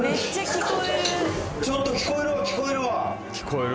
聞こえるちょっと聞こえるわ聞こえるわ